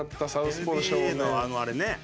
ＮＢＡのあのあれね。